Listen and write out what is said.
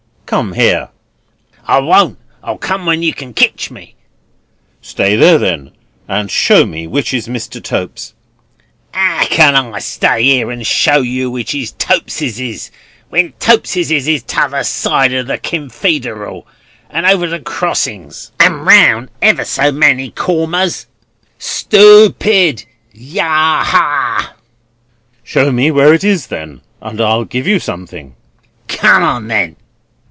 "Come here." "I won't; I'll come when yer can ketch me." "Stay there then, and show me which is Mr. Tope's." "Ow can I stay here and show you which is Topeseses, when Topeseses is t'other side the Kinfreederal, and over the crossings, and round ever so many comers? Stoo pid! Ya a ah!" "Show me where it is, and I'll give you something." "Come on, then."